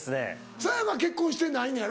さや香結婚してないのやろ？